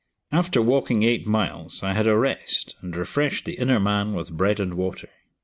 After walking eight miles, I had a rest, and refreshed the inner man with bread and water.